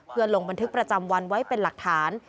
เพื่อลงบันทึกประจำวันไว้เป็นหลักฐาน